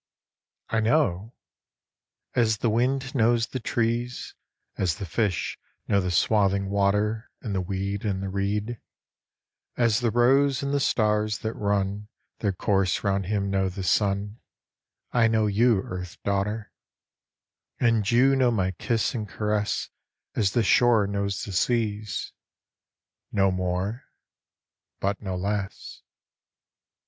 I know ? As the wind knows the trees, As the fish know the swathing water And the weed and the reed ; As the rose and the stars that run Their course round him know the sun, I know you Earth daughter ; And you know my kiss and caress As the shore knows the sea's. No more ? But no less.